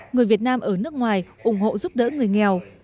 người việt nam ở nước ngoài ủng hộ giúp đỡ người nghèo